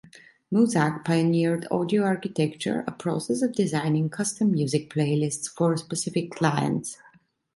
Muzak pioneered "audio architecture", a process of designing custom music playlists for specific clients.